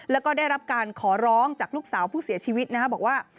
แล้วก็ได้รับการขอร้องจากลูกสาวผู้เสียชีวิตนะครับบอกว่า